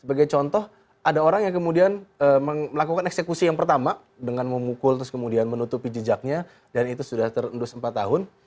sebagai contoh ada orang yang kemudian melakukan eksekusi yang pertama dengan memukul terus kemudian menutupi jejaknya dan itu sudah terendus empat tahun